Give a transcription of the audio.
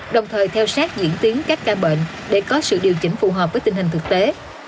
đồng thời theo sát diễn tiến các ca bệnh để có sự điều chỉnh phù hợp với tình hình thực tế